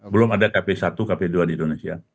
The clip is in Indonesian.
belum ada kp satu kp dua di indonesia